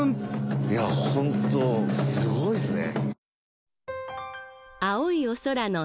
いやホントすごいっすね。